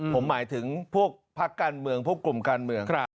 ผมหมายถึงพวกพักการเมืองพวกกลุ่มการเมือง